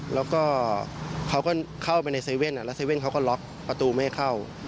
แล้วก็เขาก็เข้าไปในเซเว่นแล้วเซเว่นเขาก็ล็อกประตูไม่เข้า